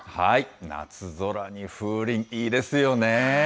夏空に風鈴、いいですよね。